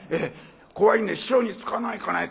怖いね師匠につかないかね？」